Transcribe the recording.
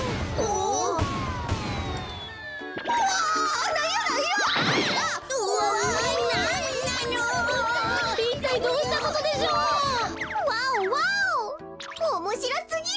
おもしろすぎる！